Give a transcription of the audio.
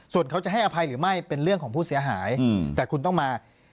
ส่วนเขาจะให้อภัยหรือไม่เป็นเรื่องของผู้เสียหายแต่คุณต้องมา